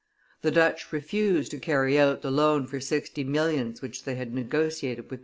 The Dutch refused to carry out the loan for sixty millions which they had negotiated with M.